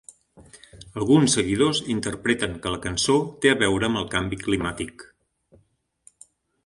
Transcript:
Alguns seguidors interpreten que la cançó té a veure amb el canvi climàtic.